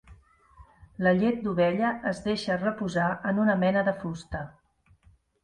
La llet d'ovella es deixa reposar en una mena de fusta.